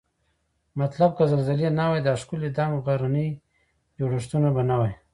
مطلب که زلزلې نه وای دا ښکلي دنګ غرني جوړښتونه به نوای